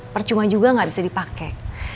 percuma juga nggak bisa dipakai